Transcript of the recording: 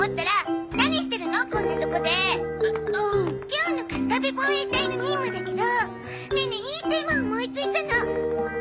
今日のカスカベ防衛隊の任務だけどネネいいテーマを思いついたの！